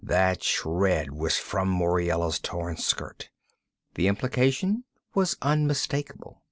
That shred was from Muriela's torn skirt. The implication was unmistakable.